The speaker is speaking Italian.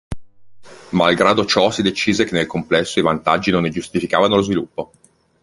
Malgrado ciò si decise che nel complesso i vantaggi non ne giustificavano lo sviluppo.